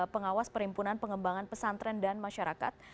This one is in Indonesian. pengawas perhimpunan pengembangan pesantren dan masyarakat